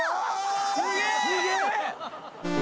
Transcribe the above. すげえ！